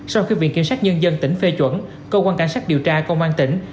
sau khi viện kiểm sát nhân dân tỉnh phê chuẩn cơ quan cảnh sát điều tra công an tỉnh